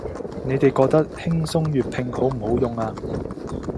你哋覺得輕鬆粵拼好唔好用啊